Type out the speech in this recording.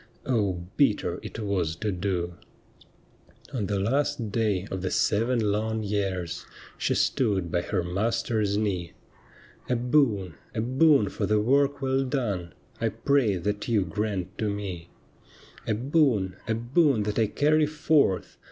Oh, bitter it was to do ! On the last day of the seven long years She stood by her master's knee —' A boon, a boon for the work well done, I pray that you grant to me ;' A boon, a boon that I carry fortli.